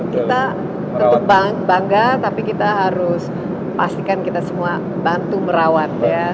kita tetap bangga tapi kita harus pastikan kita semua bantu merawat ya